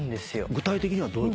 具体的にはどういう？